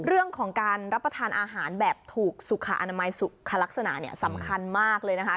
เรื่องของการรับประทานอาหารแบบถูกสุขอนามัยสุขลักษณะเนี่ยสำคัญมากเลยนะคะ